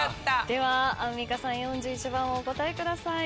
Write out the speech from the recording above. ではアンミカさん４１番お答えください。